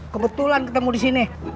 kebetulan ketemu disini